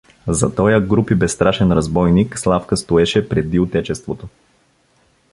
За тоя груб и безстрашен разбойник Славка стоеше преди отечеството.